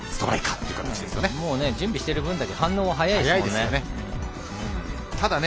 準備している分だけ反応が速いですよね。